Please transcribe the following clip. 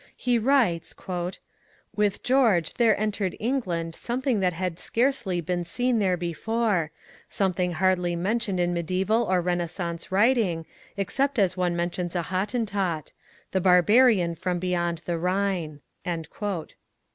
He writes: With George there entered England something that had scarcely been seen there before; something hardly mentioned in mediaeval or Renascence writing, except as one mentions a Hottentot the barbarian from beyond the Rhine.